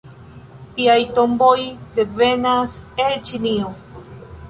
Tiaj tomboj devenas el Ĉinio.